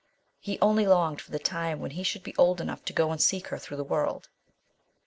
He only longed for the time when he should be old enough to go and seek her through the world.